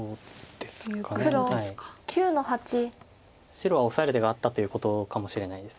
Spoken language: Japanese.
白はオサえる手があったということかもしれないです。